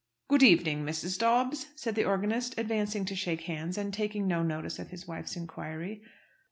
"Good evening, Mrs. Dobbs," said the organist, advancing to shake hands, and taking no notice of his wife's inquiry.